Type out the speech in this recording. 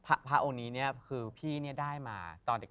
พี่ยังไม่ได้เลิกแต่พี่ยังไม่ได้เลิก